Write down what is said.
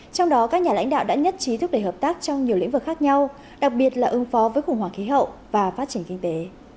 trong đó các nhà lãnh đạo đã nhất trí thúc đẩy hợp tác trong nhiều lĩnh vực khác nhau đặc biệt là ứng phó với khủng hoảng khí hậu và phát triển kinh tế